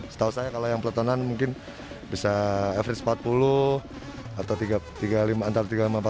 setahu saya kalau yang peletonan mungkin bisa average empat puluh atau antara tiga puluh lima empat ratus